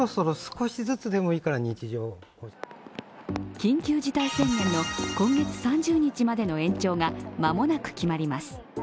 緊急事態宣言の今月３０日までの延長が間もなく決まります。